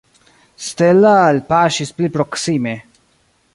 Stella elpaŝis pli proksime.